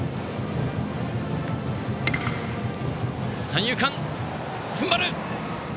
三遊間、踏ん張る！